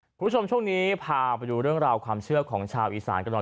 คุณผู้ชมช่วงนี้พาไปดูเรื่องราวความเชื่อของชาวอีสานกันหน่อย